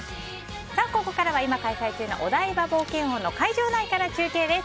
ここからは、今開催中のお台場冒険王の会場内から中継です。